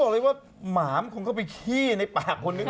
อันนี้ก็ต้องพูดมาเกินไปอีกหนึ่ง